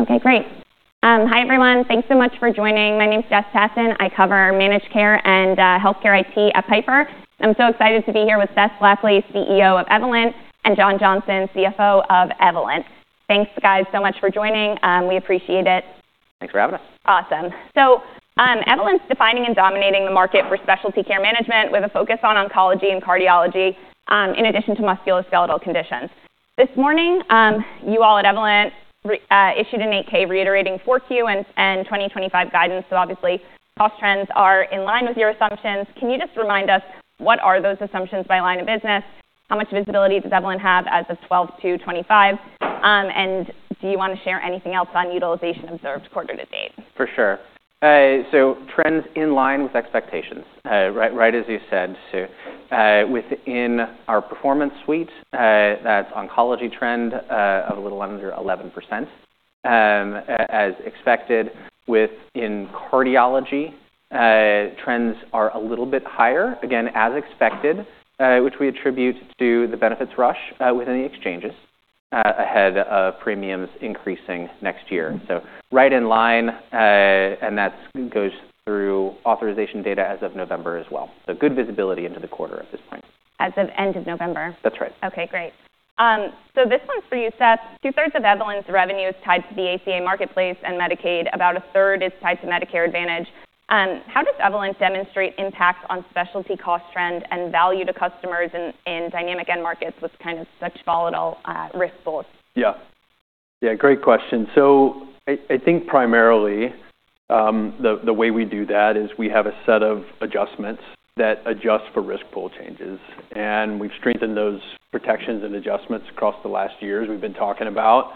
Okay, great. Hi everyone, thanks so much for joining. My name's Jess Tassin. I cover Managed Care and Healthcare IT at Piper. I'm so excited to be here with Seth Blackley, CEO of Evolent, and John Johnson, CFO of Evolent. Thanks, guys, so much for joining. We appreciate it. Thanks for having us. Awesome. Evolent's defining and dominating the market for specialty care management with a focus on oncology and cardiology, in addition to musculoskeletal conditions. This morning, you all at Evolent issued an 8-K reiterating 4Q and 2025 guidance. Obviously, cost trends are in line with your assumptions. Can you just remind us what are those assumptions by line of business? How much visibility does Evolent have as of 12/02/25? Do you wanna share anything else on utilization observed quarter to date? For sure. So trends in line with expectations, right, right as you said, Sue. Within our Performance Suite, that's oncology trend, of a little under 11%, as expected within cardiology, trends are a little bit higher, again, as expected, which we attribute to the benefits rush, within the exchanges, ahead of premiums increasing next year. Right in line, and that goes through authorization data as of November as well. Good visibility into the quarter at this point. As of end of November? That's right. Okay, great. This one's for you, Seth. Two-thirds of Evolent's revenue is tied to the ACA Marketplace and Medicaid. About a third is tied to Medicare Advantage. How does Evolent demonstrate impact on specialty cost trend and value to customers in, in dynamic end markets with kind of such volatile risk pools? Yeah. Great question. I think primarily, the way we do that is we have a set of adjustments that adjust for risk pool changes. We've strengthened those protections and adjustments across the last years we've been talking about.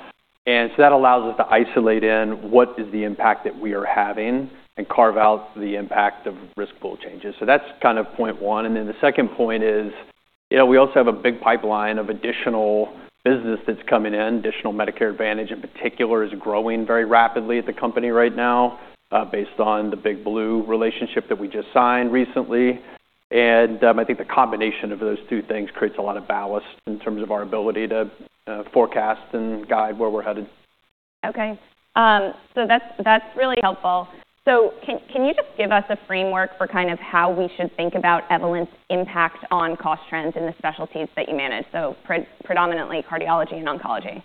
That allows us to isolate in what is the impact that we are having and carve out the impact of risk pool changes. That's kind of point one. The second point is, you know, we also have a big pipeline of additional business that's coming in. Additional Medicare Advantage in particular is growing very rapidly at the company right now, based on the big blue relationship that we just signed recently. I think the combination of those two things creates a lot of ballast in terms of our ability to forecast and guide where we're headed. Okay, that's really helpful. Can you just give us a framework for kind of how we should think about Evolent's impact on cost trends in the specialties that you manage? Predominantly cardiology and oncology.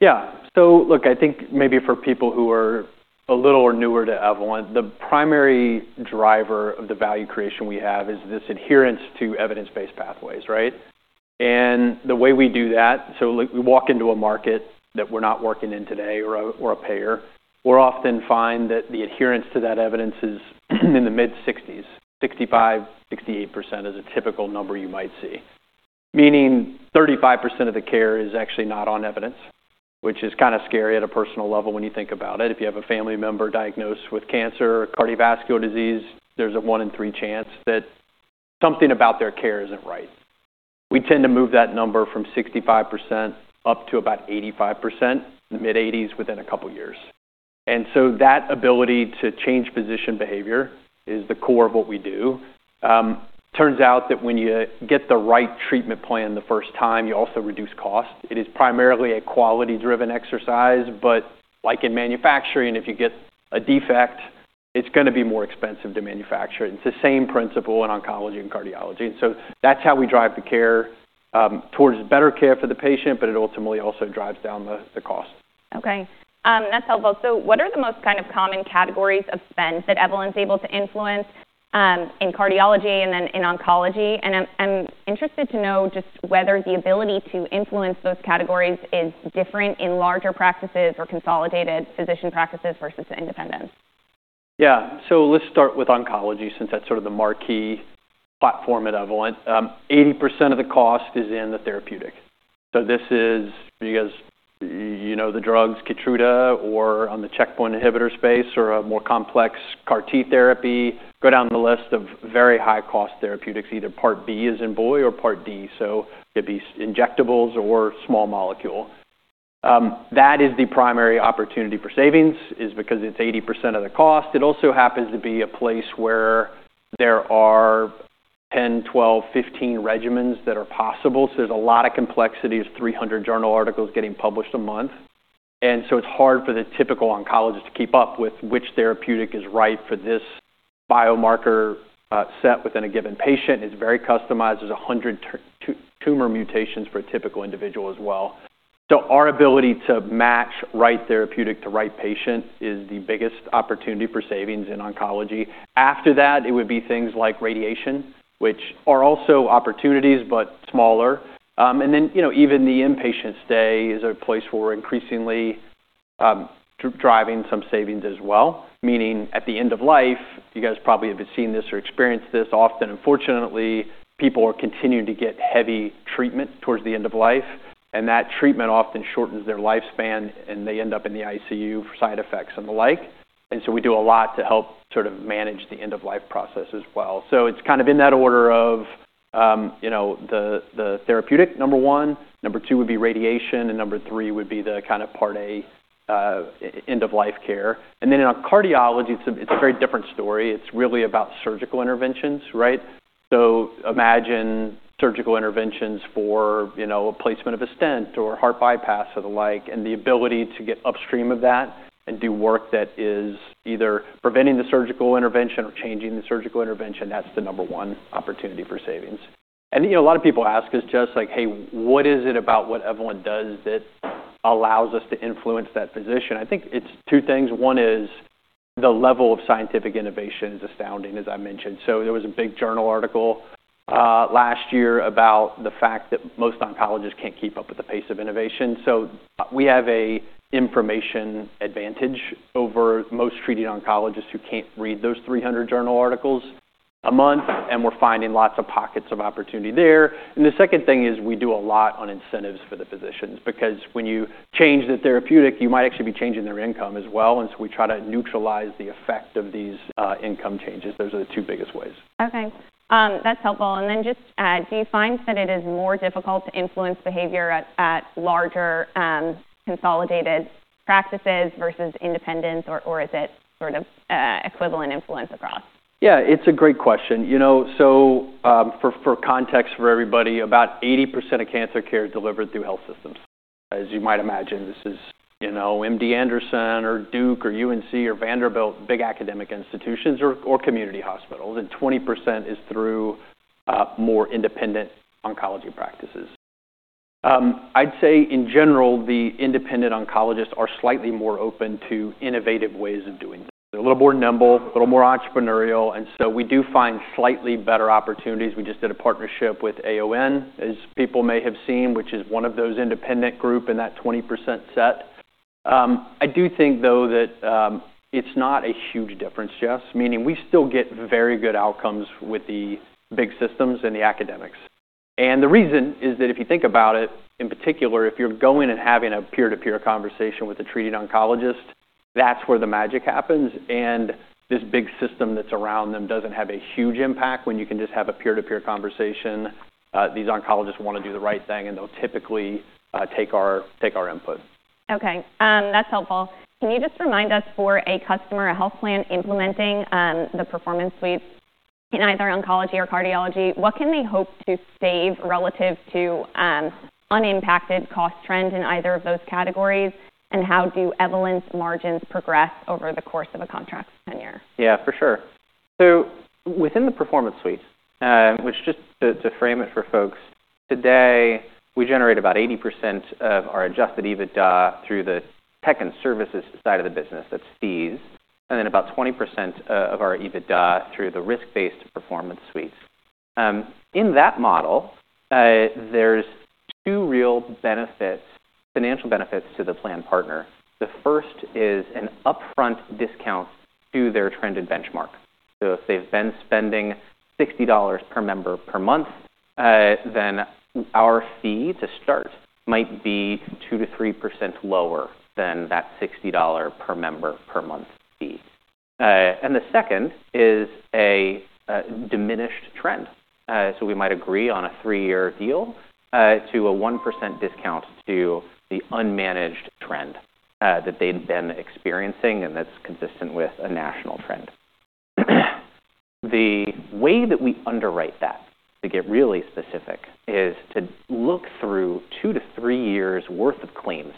Yeah. Look, I think maybe for people who are a little newer to Evolent, the primary driver of the value creation we have is this adherence to evidence-based pathways, right? The way we do that, look, we walk into a market that we're not working in today or a payer, we'll often find that the adherence to that evidence is in the mid-60%s. 65%-68% is a typical number you might see. Meaning 35% of the care is actually not on evidence, which is kinda scary at a personal level when you think about it. If you have a family member diagnosed with cancer or cardiovascular disease, there's a one in three chance that something about their care isn't right. We tend to move that number from 65% up to about 85%, mid-80s within a couple years. That ability to change physician behavior is the core of what we do. Turns out that when you get the right treatment plan the first time, you also reduce cost. It is primarily a quality-driven exercise, but like in manufacturing, if you get a defect, it's gonna be more expensive to manufacture. It's the same principle in oncology and cardiology. That's how we drive the care, towards better care for the patient, but it ultimately also drives down the cost. Okay, that's helpful. What are the most kind of common categories of spend that Evolent's able to influence, in cardiology and then in oncology? I'm interested to know just whether the ability to influence those categories is different in larger practices or consolidated physician practices versus independent. Yeah. Let's start with oncology since that's sort of the marquee platform at Evolent. 80% of the cost is in the therapeutic. This is, you guys, you know, the drugs Keytruda or on the checkpoint inhibitor space or a more complex CAR-T therapy. Go down the list of very high-cost therapeutics, either part B as in boy or part D. It would be injectables or small molecule. That is the primary opportunity for savings because it's 80% of the cost. It also happens to be a place where there are 10, 12, 15 regimens that are possible. There's a lot of complexity of 300 journal articles getting published a month. It's hard for the typical oncologist to keep up with which therapeutic is right for this biomarker set within a given patient. It's very customized. There's 100 tumor mutations for a typical individual as well. Our ability to match right therapeutic to right patient is the biggest opportunity for savings in oncology. After that, it would be things like radiation, which are also opportunities but smaller. And then, you know, even the inpatient stay is a place where we're increasingly driving some savings as well. Meaning at the end of life, you guys probably have seen this or experienced this often. Unfortunately, people are continuing to get heavy treatment towards the end of life, and that treatment often shortens their lifespan, and they end up in the ICU for side effects and the like. We do a lot to help sort of manage the end-of-life process as well. It's kind of in that order of, you know, the therapeutic, number one. Number two would be radiation, and number three would be the kind of part A, end-of-life care. In cardiology, it's a very different story. It's really about surgical interventions, right? Imagine surgical interventions for, you know, a placement of a stent or heart bypass or the like. The ability to get upstream of that and do work that is either preventing the surgical intervention or changing the surgical intervention, that's the number one opportunity for savings. You know, a lot of people ask us, Jess, like, "Hey, what is it about what Evolent does that allows us to influence that physician?" I think it's two things. One is the level of scientific innovation is astounding, as I mentioned. There was a big journal article last year about the fact that most oncologists can't keep up with the pace of innovation. We have an information advantage over most treating oncologists who can't read those 300 journal articles a month, and we're finding lots of pockets of opportunity there. The second thing is we do a lot on incentives for the physicians because when you change the therapeutic, you might actually be changing their income as well. We try to neutralize the effect of these income changes. Those are the two biggest ways. Okay. That's helpful. Just, do you find that it is more difficult to influence behavior at larger, consolidated practices versus independents, or is it sort of equivalent influence across? Yeah, it's a great question. You know, for context for everybody, about 80% of cancer care is delivered through health systems. As you might imagine, this is, you know, MD Anderson or Duke or UNC or Vanderbilt, big academic institutions or community hospitals. And 20% is through more independent oncology practices. I'd say in general, the independent oncologists are slightly more open to innovative ways of doing things. They're a little more nimble, a little more entrepreneurial. You know, we do find slightly better opportunities. We just did a partnership with AON, as people may have seen, which is one of those independent groups in that 20% set. I do think, though, that it's not a huge difference, Jess. Meaning we still get very good outcomes with the big systems and the academics. The reason is that if you think about it, in particular, if you're going and having a peer-to-peer conversation with a treating oncologist, that's where the magic happens. This big system that's around them doesn't have a huge impact when you can just have a peer-to-peer conversation. These oncologists wanna do the right thing, and they'll typically take our input. Okay. That's helpful. Can you just remind us for a customer health plan implementing the Performance Suite in either oncology or cardiology, what can they hope to save relative to unimpacted cost trend in either of those categories? And how do Evolent's margins progress over the course of a contract tenure? Yeah, for sure. Within the Performance Suite, which just to frame it for folks, today we generate about 80% of our adjusted EBITDA through the tech and services side of the business. That's fees. Then about 20% of our EBITDA through the risk-based Performance Suites. In that model, there's two real benefits, financial benefits to the plan partner. The first is an upfront discount to their trended benchmark. If they've been spending $60 per member per month, then our fee to start might be 2%-3% lower than that $60 per member per month fee. The second is a diminished trend. We might agree on a three-year deal to a 1% discount to the unmanaged trend that they've been experiencing, and that's consistent with a national trend. The way that we underwrite that, to get really specific, is to look through two to three years' worth of claims,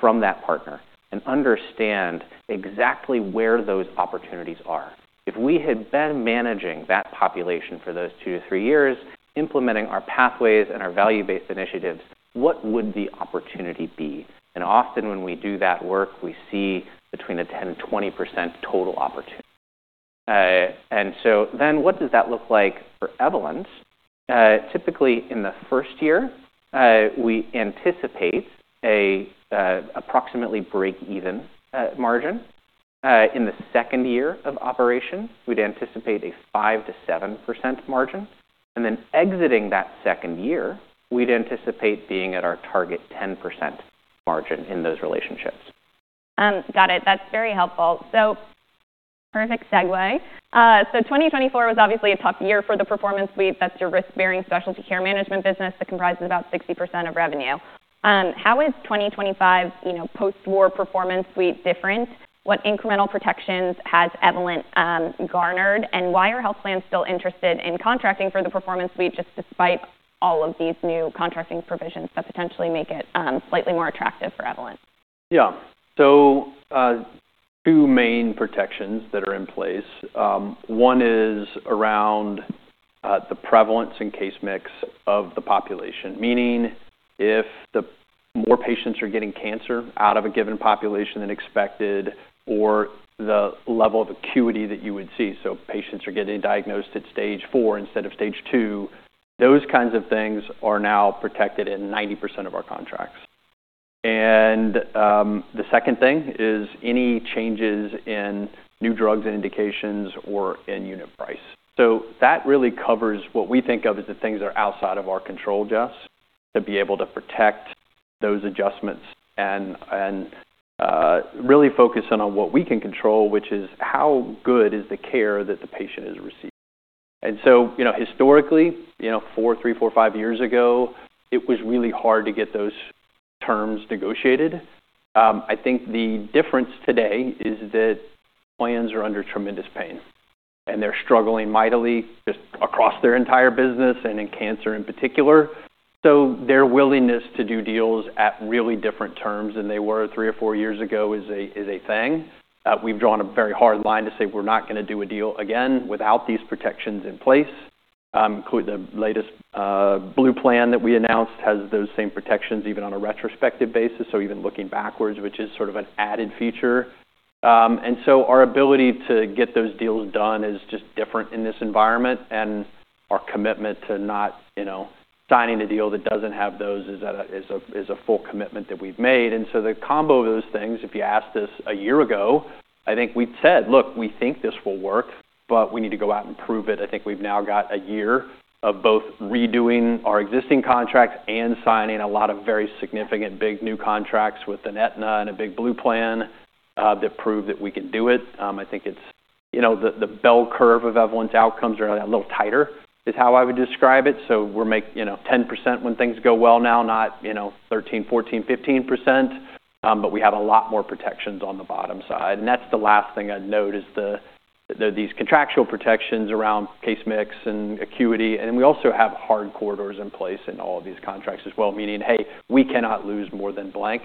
from that partner and understand exactly where those opportunities are. If we had been managing that population for those two to three years, implementing our pathways and our value-based initiatives, what would the opportunity be? Often when we do that work, we see between a 10%-20% total opportunity. What does that look like for Evolent? Typically in the first year, we anticipate a, approximately break-even, margin. In the second year of operation, we'd anticipate a 5%-7% margin. Then exiting that second year, we'd anticipate being at our target 10% margin in those relationships. Got it. That's very helpful. Perfect segue. 2024 was obviously a tough year for the Performance Suite. That's your risk-bearing specialty care management business that comprises about 60% of revenue. How is 2025, you know, post-Performance Suite, different? What incremental protections has Evolent garnered? And why are health plans still interested in contracting for the Performance Suite despite all of these new contracting provisions that potentially make it slightly more attractive for Evolent? Yeah. Two main protections that are in place. One is around the prevalence and case mix of the population. Meaning if more patients are getting cancer out of a given population than expected or the level of acuity that you would see, so patients are getting diagnosed at stage four instead of stage two, those kinds of things are now protected in 90% of our contracts. The second thing is any changes in new drugs and indications or in unit price. That really covers what we think of as the things that are outside of our control, Jess, to be able to protect those adjustments and really focus in on what we can control, which is how good is the care that the patient is receiving. You know, historically, you know, four, three, four, five years ago, it was really hard to get those terms negotiated. I think the difference today is that plans are under tremendous pain, and they're struggling mightily just across their entire business and in cancer in particular. Their willingness to do deals at really different terms than they were three or four years ago is a, is a thing. We've drawn a very hard line to say we're not gonna do a deal again without these protections in place. The latest blue plan that we announced has those same protections even on a retrospective basis. Even looking backwards, which is sort of an added feature. Our ability to get those deals done is just different in this environment. Our commitment to not, you know, signing a deal that does not have those is a full commitment that we have made. The combo of those things, if you asked us a year ago, I think we said, "Look, we think this will work, but we need to go out and prove it." I think we have now got a year of both redoing our existing contracts and signing a lot of very significant big new contracts with an Aetna and a big blue plan that prove that we can do it. I think it is, you know, the bell curve of Evolent's outcomes are a little tighter is how I would describe it. We are making, you know, 10% when things go well now, not, you know, 13%, 14%, 15%, but we have a lot more protections on the bottom side. The last thing I'd note is these contractual protections around case mix and acuity. We also have hard corridors in place in all of these contracts as well. Meaning, "Hey, we cannot lose more than blank,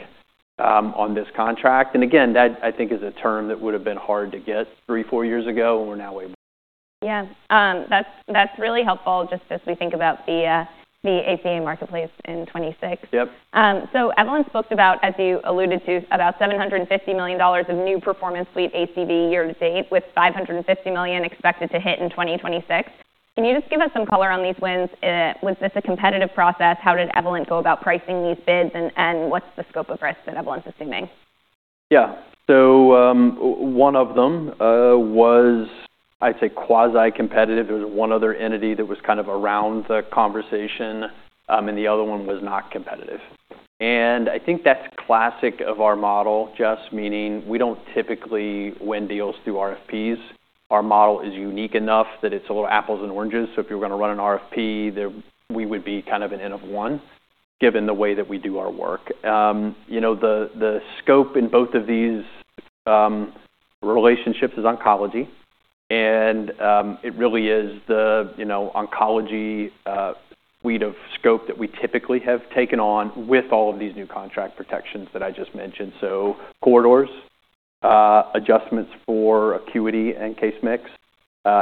on this contract." That, I think, is a term that would have been hard to get three or four years ago, and we're now able. Yeah, that's really helpful just as we think about the ACA Marketplace in 2026. Yep. Evolent spoke about, as you alluded to, about $750 million of new Performance Suite ACV year to date with $550 million expected to hit in 2026. Can you just give us some color on these wins? Was this a competitive process? How did Evolent go about pricing these bids, and what's the scope of risk that Evolent's assuming? Yeah. One of them was, I'd say, quasi-competitive. There was one other entity that was kind of around the conversation, and the other one was not competitive. I think that's classic of our model, Jess. Meaning we don't typically win deals through RFPs. Our model is unique enough that it's a little apples and oranges. If you're gonna run an RFP, we would be kind of an end of one given the way that we do our work. You know, the scope in both of these relationships is oncology. It really is the oncology suite of scope that we typically have taken on with all of these new contract protections that I just mentioned. Corridors, adjustments for acuity and case mix,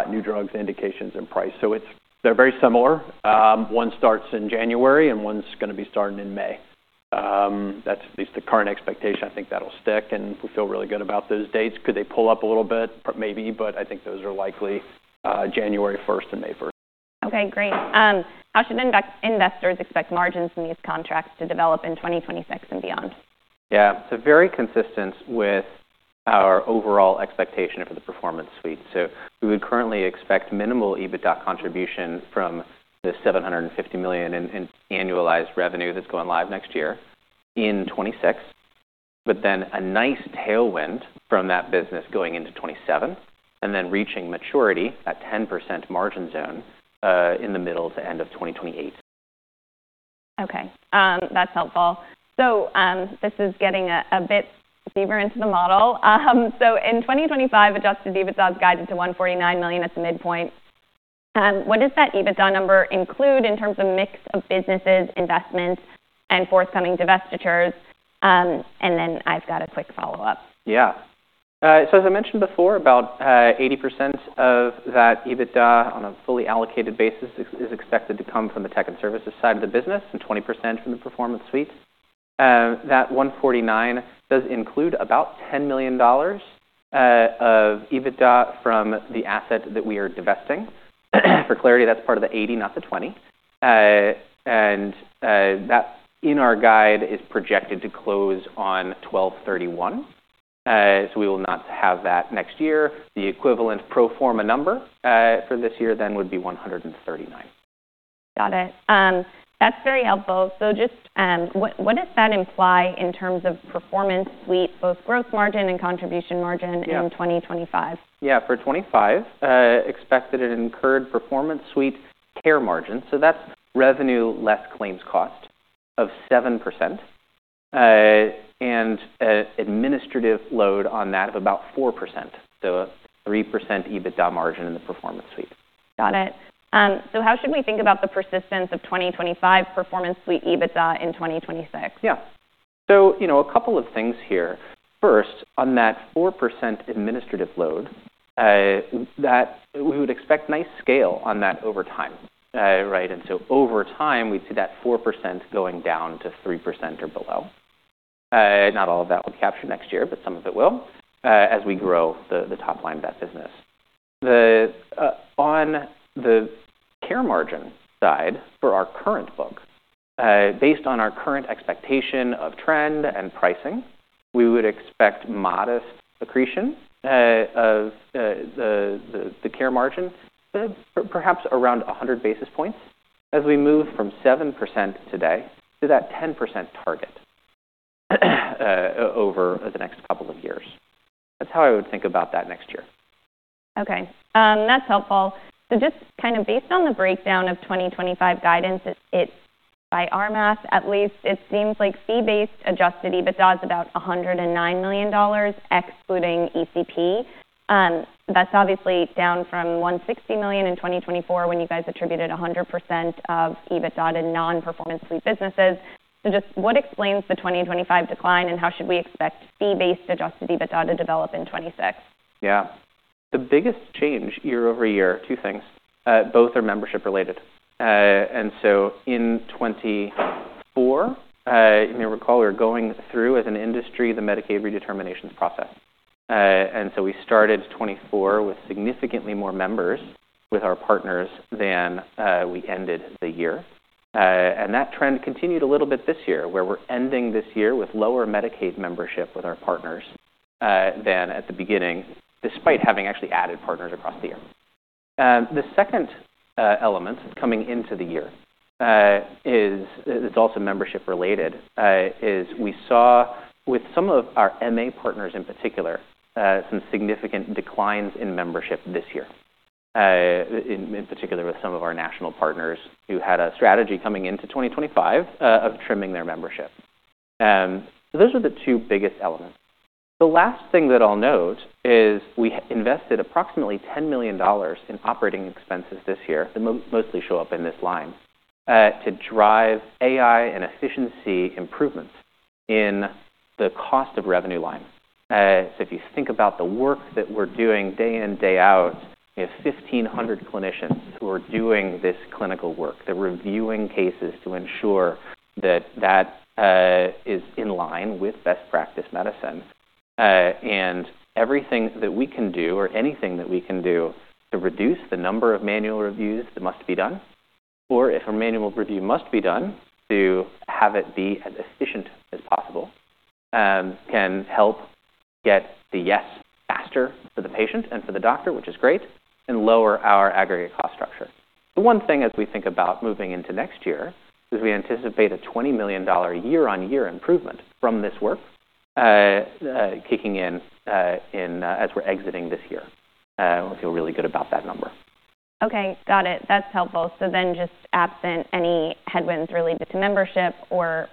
new drugs, indications, and price. It's, they're very similar. One starts in January, and one's gonna be starting in May. That's at least the current expectation. I think that'll stick, and we feel really good about those dates. Could they pull up a little bit? Maybe. I think those are likely, January 1st and May 1st. Okay. Great. How should investors expect margins in these contracts to develop in 2026 and beyond? Yeah. Very consistent with our overall expectation for the Performance Suite. We would currently expect minimal EBITDA contribution from the $750 million in annualized revenue that is going live next year in 2026, but then a nice tailwind from that business going into 2027 and then reaching maturity at 10% margin zone, in the middle to end of 2028. Okay, that's helpful. This is getting a bit deeper into the model. In 2025, adjusted EBITDA is guided to $149 million. That's midpoint. What does that EBITDA number include in terms of mix of businesses, investments, and forthcoming divestitures? Then I've got a quick follow-up. Yeah. As I mentioned before, about 80% of that EBITDA on a fully allocated basis is expected to come from the tech and services side of the business and 20% from the Performance Suite. That $149 million does include about $10 million of EBITDA from the asset that we are divesting. For clarity, that's part of the 80%, not the 20%. That in our guide is projected to close on 12/31. We will not have that next year. The equivalent pro forma number for this year then would be $139 million. Got it. That's very helpful. Just, what does that imply in terms of Performance Suite, both gross margin and contribution margin in 2025? Yeah. For 2025, expected an incurred Performance Suite care margin. So that's revenue less claims cost of 7%. and, administrative load on that of about 4%. So a 3% EBITDA margin in the Performance Suite. Got it. How should we think about the persistence of 2025 Performance Suite EBITDA in 2026? Yeah. You know, a couple of things here. First, on that 4% administrative load, we would expect nice scale on that over time, right? Over time, we'd see that 4% going down to 3% or below. Not all of that will capture next year, but some of it will, as we grow the top line of that business. On the care margin side for our current book, based on our current expectation of trend and pricing, we would expect modest accretion of the care margin, perhaps around 100 basis points as we move from 7% today to that 10% target over the next couple of years. That's how I would think about that next year. Okay. That's helpful. Just kind of based on the breakdown of 2025 guidance, it, by our math at least, it seems like fee-based adjusted EBITDA is about $109 million, excluding ECP. That's obviously down from $160 million in 2024 when you guys attributed 100% of EBITDA to non-Performance Suite businesses. Just what explains the 2025 decline and how should we expect fee-based adjusted EBITDA to develop in 2026? Yeah. The biggest change year over year, two things, both are membership related. In 2024, you may recall we were going through as an industry the Medicaid redeterminations process. We started 2024 with significantly more members with our partners than we ended the year. That trend continued a little bit this year where we're ending this year with lower Medicaid membership with our partners than at the beginning despite having actually added partners across the year. The second element coming into the year is, it's also membership related, is we saw with some of our MA partners in particular, some significant declines in membership this year, in particular with some of our national partners who had a strategy coming into 2025 of trimming their membership. Those are the two biggest elements. The last thing that I'll note is we invested approximately $10 million in operating expenses this year. They mostly show up in this line, to drive AI and efficiency improvements in the cost of revenue line. If you think about the work that we're doing day in, day out, we have 1,500 clinicians who are doing this clinical work. They're reviewing cases to ensure that that is in line with best practice medicine. Everything that we can do or anything that we can do to reduce the number of manual reviews that must be done, or if a manual review must be done to have it be as efficient as possible, can help get the yes faster for the patient and for the doctor, which is great, and lower our aggregate cost structure. The one thing as we think about moving into next year is we anticipate a $20 million year-on-year improvement from this work, kicking in as we're exiting this year. We feel really good about that number. Okay. Got it. That's helpful. Just absent any headwinds related to membership or,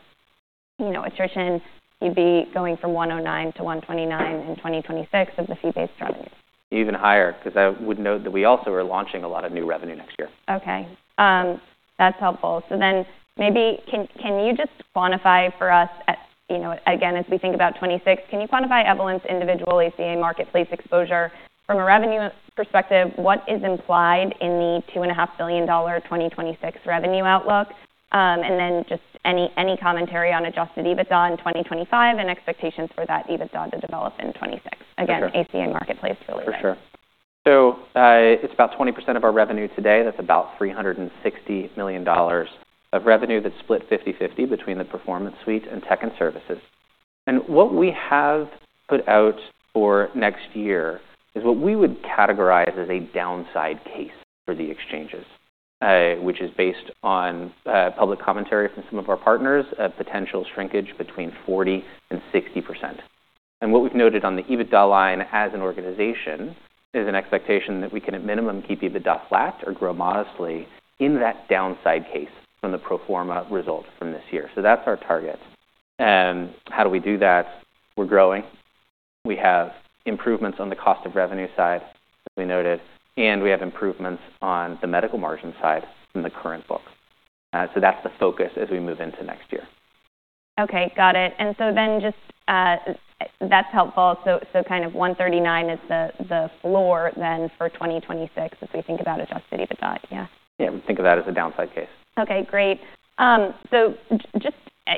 you know, attrition, you'd be going from $109-$129 in 2026 of the fee-based revenue. Even higher because I would note that we also are launching a lot of new revenue next year. Okay, that's helpful. Can you just quantify for us at, you know, again, as we think about 2026, can you quantify Evolent's individual ACA Marketplace exposure? From a revenue perspective, what is implied in the $2.5 billion 2026 revenue outlook? And then just any commentary on adjusted EBITDA in 2025 and expectations for that EBITDA to develop in 2026? Again, ACA Marketplace delivery. For sure. It is about 20% of our revenue today. That is about $360 million of revenue that is split 50/50 between the Performance Suite and tech and services. What we have put out for next year is what we would categorize as a downside case for the exchanges, which is based on public commentary from some of our partners, a potential shrinkage between 40%-60%. What we have noted on the EBITDA line as an organization is an expectation that we can at minimum keep EBITDA flat or grow modestly in that downside case from the pro forma result from this year. That is our target. How do we do that? We are growing. We have improvements on the cost of revenue side, as we noted, and we have improvements on the medical margin side from the current book. That is the focus as we move into next year. Okay. Got it. That's helpful. Kind of $139 is the floor then for 2026 as we think about adjusted EBITDA. Yeah. Yeah. We think of that as a downside case. Okay. Great. Just,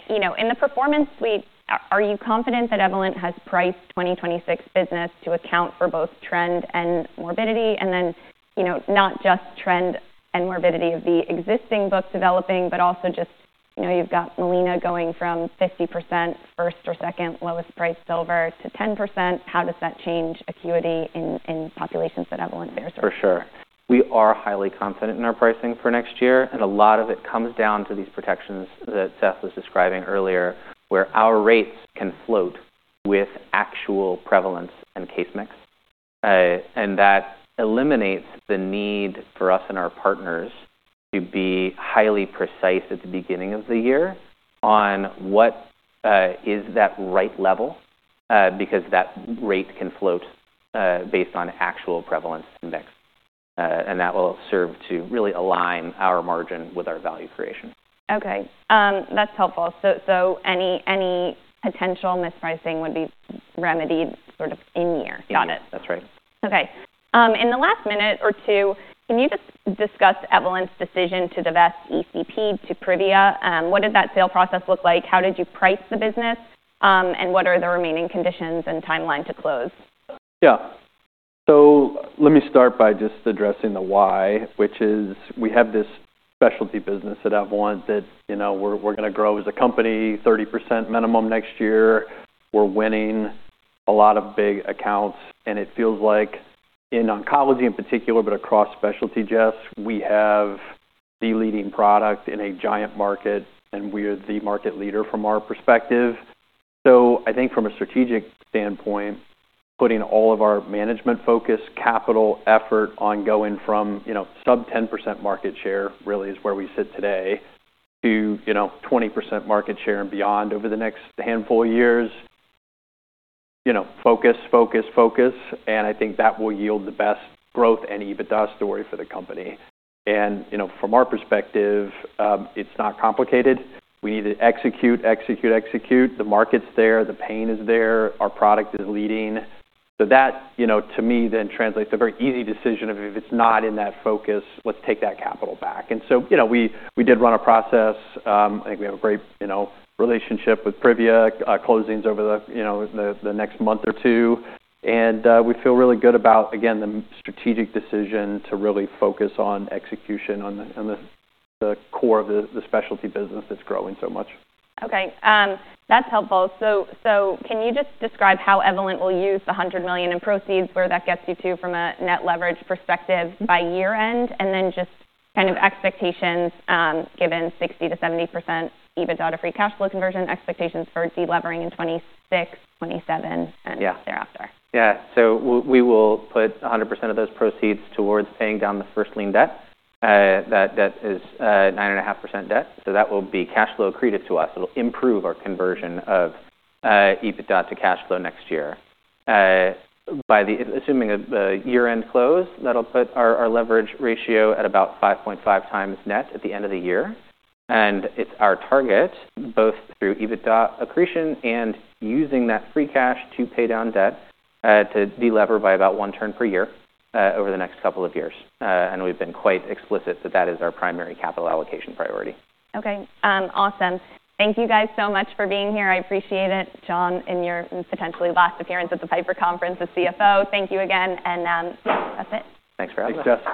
you know, in the Performance Suite, are you confident that Evolent has priced 2026 business to account for both trend and morbidity? And then, you know, not just trend and morbidity of the existing book developing, but also just, you know, you've got Molina going from 50% first or second lowest price silver to 10%. How does that change acuity in, in populations that Evolent bears? For sure. We are highly confident in our pricing for next year, and a lot of it comes down to these protections that Seth was describing earlier where our rates can float with actual prevalence and case mix. That eliminates the need for us and our partners to be highly precise at the beginning of the year on what is that right level, because that rate can float, based on actual prevalence index. That will serve to really align our margin with our value creation. Okay, that's helpful. So any potential mispricing would be remedied sort of in year? Yeah. Got it. That's right. Okay. In the last minute or two, can you just discuss Evolent's decision to divest ECP to Privia? What did that sale process look like? How did you price the business? And what are the remaining conditions and timeline to close? Yeah. Let me start by just addressing the why, which is we have this specialty business at Evolent that, you know, we're, we're gonna grow as a company 30% minimum next year. We're winning a lot of big accounts, and it feels like in oncology in particular, but across specialty, Jess, we have the leading product in a giant market, and we are the market leader from our perspective. I think from a strategic standpoint, putting all of our management focus, capital effort on going from, you know, sub 10% market share really is where we sit today to, you know, 20% market share and beyond over the next handful of years, you know, focus, focus, focus. I think that will yield the best growth and EBITDA story for the company. You know, from our perspective, it's not complicated. We need to execute, execute, execute. The market's there. The pain is there. Our product is leading. That, you know, to me then translates to a very easy decision of if it's not in that focus, let's take that capital back. You know, we did run a process. I think we have a great, you know, relationship with Privia, closings over the, you know, the next month or two. We feel really good about, again, the strategic decision to really focus on execution on the, on the, the core of the, the specialty business that's growing so much. Okay, that's helpful. Can you just describe how Evolent will use the $100 million in proceeds, where that gets you to from a net leverage perspective by year-end? Then just kind of expectations, given 60%-70% EBITDA to free cash flow conversion expectations for delevering in 2026, 2027, and thereafter. Yeah. Yeah. We will put 100% of those proceeds towards paying down the first lien debt. That is 9.5% debt. That will be cash flow accretive to us. It'll improve our conversion of EBITDA to cash flow next year. By assuming a year-end close, that'll put our leverage ratio at about 5.5x net at the end of the year. It is our target, both through EBITDA accretion and using that free cash to pay down debt, to delever by about one turn per year over the next couple of years. We have been quite explicit that that is our primary capital allocation priority. Okay. Awesome. Thank you guys so much for being here. I appreciate it, John, in your potentially last appearance at the Piper Conference as CFO. Thank you again. That is it. Thanks for having us.